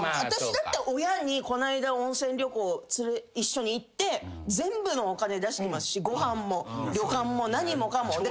私だって親にこの間温泉旅行一緒に行って全部のお金出してますしご飯も旅館も何もかも。